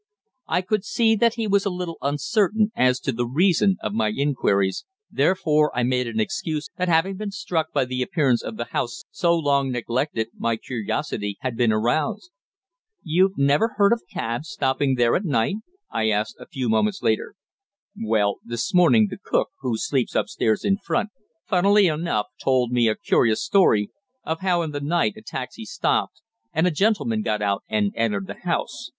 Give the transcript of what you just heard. I could see that he was a little uncertain as to the reason of my inquiries, therefore I made an excuse that having been struck by the appearance of the house so long neglected my curiosity had been aroused. "You've never heard of cabs stopping there at night?" I asked, a few moments later. "Well, this morning the cook, who sleeps upstairs in front, funnily enough, told me a curious story of how in the night a taxi stopped and a gentleman got out and entered the house.